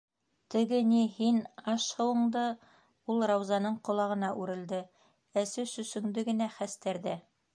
Теге ни, һин аш- һыуыңды, - ул Раузаның ҡолағына үрелде, - әсе-сөсөңдө генә хәстәрҙә.